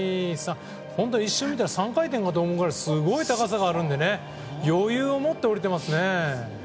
１、２、３一瞬見たら３回転かと思うくらいすごい高さがあるので余裕を持って降りてますね。